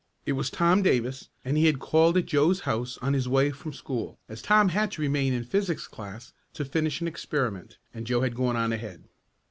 It was Tom Davis, and he had called at Joe's house on his way from school, as Tom had to remain in physics class to finish an experiment, and Joe had gone on ahead.